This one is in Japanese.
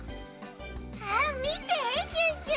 あっみてシュッシュ！